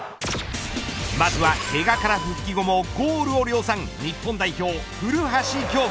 まずは、けがから復帰後もゴールを量産日本代表、古橋亨梧。